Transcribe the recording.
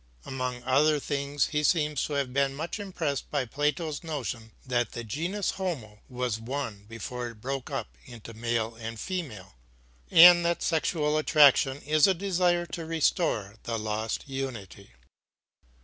Among other things, he seems to have been much impressed by Plato's notion that the genus homo was one before it broke up into male and female, and that sexual attraction is a desire to restore the lost unity.